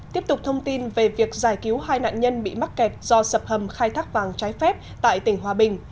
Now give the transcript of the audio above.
tiếp tục thông tin về việc giải cứu hai nạn nhân bị mắc kẹt do sập hầm khai thác vàng trái phép tại tỉnh hòa bình